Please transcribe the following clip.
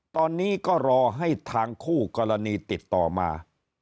ตอนนี้ก็รอให้ทางคู่กรณีติดต่อมา